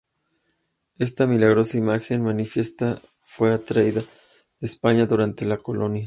Esta milagrosa imagen, manifiestan, fue traída de España durante la colonia.